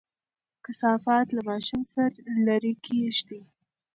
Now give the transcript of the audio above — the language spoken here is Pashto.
کثافات له ماشوم لرې کېږدئ.